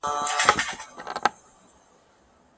څرنګه چې ښځو ته فرصت ورکړل شي، ټولنه به نیمګړې نه پاتې کېږي.